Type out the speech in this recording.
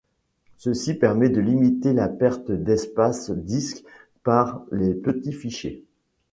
Ceci permet de limiter la perte d'espace disque par les petits fichiers.